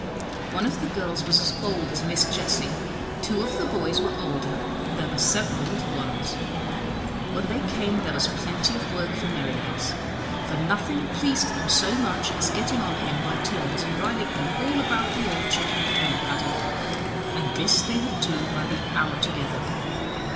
One of the girls was as old as Miss Jessie; two of the boys were older, and there were several little ones. When they came there was plenty of work for Merrylegs, for nothing pleased them so much as getting on him by turns and riding him all about the orchard and the home paddock, and this they would do by the hour together.